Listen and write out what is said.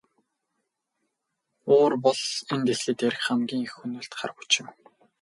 Уур бол энэ дэлхий дээрх хамгийн их хөнөөлт хар хүч юм.